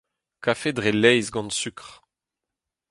Kafe dre laezh gant sukr.